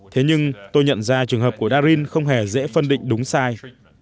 thế nhưng tôi nhận ra trường hợp của darin không hề dễ phân định đúng sai